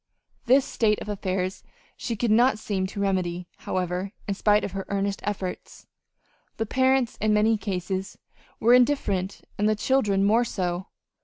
This state of affairs she could not seem to remedy, however, in spite of her earnest efforts. The parents, in many cases, were indifferent, and the children more so.